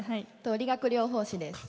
理学療法士です。